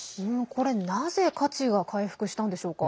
これ、なぜ価値が回復したんでしょうか。